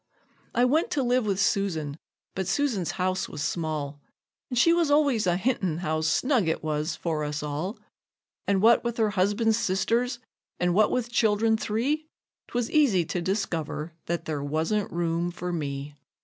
I went to live with Susan, but Susan's house was small, And she was always a hintin' how snug it was for us all; And what with her husband's sisters, and what with child'rn three, 'Twas easy to discover that there wasn't room for me.